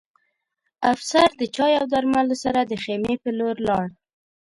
افسر د چای او درملو سره د خیمې په لور لاړ